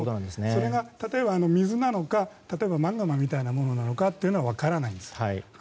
それが水なのか例えばマグマみたいなものなのかは分からないんです。